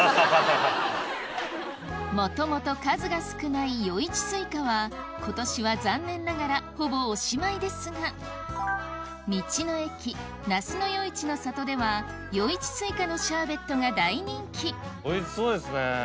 もともと数が少ない与一西瓜は今年は残念ながらほぼおしまいですが道の駅那須与一の郷では与一西瓜のシャーベットが大人気おいしそうですね。